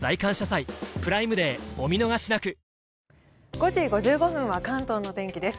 ５時５５分は関東の天気です。